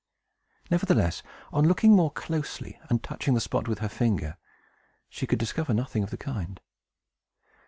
Nevertheless, on looking more closely, and touching the spot with her finger, she could discover nothing of the kind.